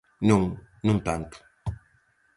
Non, non tanto.